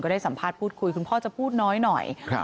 ก็ได้สัมภาษณ์พูดคุยคุณพ่อจะพูดน้อย